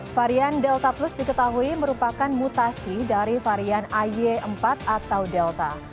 varian delta plus diketahui merupakan mutasi dari varian ay empat atau delta